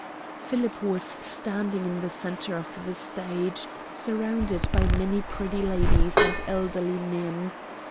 Philip was standing in the centre of the stage, surrounded by many pretty ladies and elderly men.